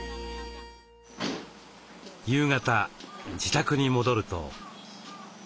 夕方自宅に戻ると。